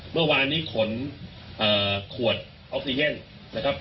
เมื่อวานนี้ขนขวดออกซิเจนนะครับ